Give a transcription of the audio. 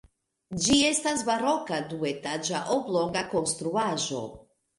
Ĝi estas baroka duetaĝa oblonga konstruaĵo.